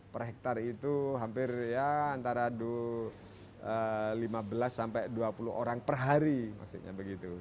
per hektare itu hampir antara lima belas sampai dua puluh orang per hari